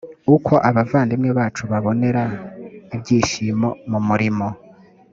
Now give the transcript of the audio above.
uko abavandimwe bacu babonera ibyishimo mu murimo